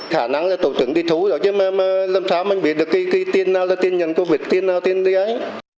khả năng là tổ chức đi thu rồi chứ mà làm sao mình biết được cái tiền nào là tiền nhận covid tiền nào tiền đi ấy